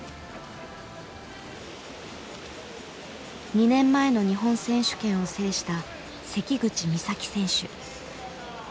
２年前の日本選手権を制した関口美咲選手。